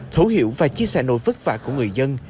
thấu hiểu và chia sẻ nỗi vất vả của người dân